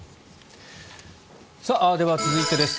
では、続いてです。